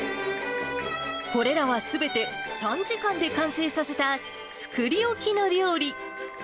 これらはすべて、３時間で完成させた、作り置きの料理。